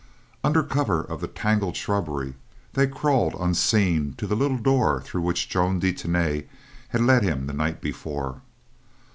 Under cover of the tangled shrubbery, they crawled unseen to the little door through which Joan de Tany had led him the night before.